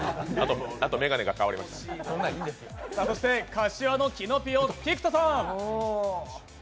柏のキノピオ・菊田さん。